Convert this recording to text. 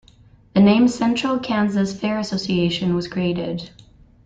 The name "Central Kansas Fair Association" was created.